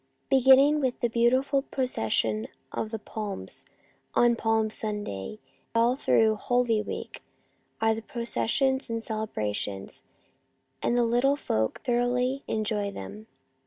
Beginning with the beautiful Procession of the Palms, on Palm Sunday, all through Holy Week are processions and celebrations, and the little folk thoroughly enjoy them.